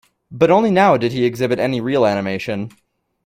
But only now did he exhibit any real animation.